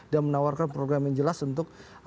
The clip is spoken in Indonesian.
dan menawarkan program yang jelas untuk